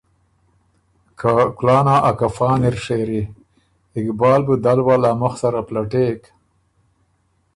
که ” کُلانا ا کفان اِر ڒېری“ اقبال بُو دل ول ا مُخ سره پلټېک